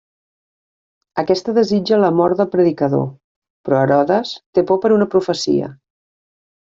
Aquesta desitja la mort del predicador, però Herodes té por per una profecia.